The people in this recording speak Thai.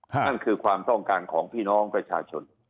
นั่นคือความต้องการของพี่น้องประชาชน